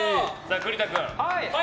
栗田君。